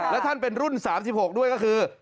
และท่านเป็นรุ่น๓๖ด้วยก็คือ